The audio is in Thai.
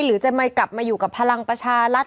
หรือจะไม่กลับมาอยู่กับพลังประชารัฐ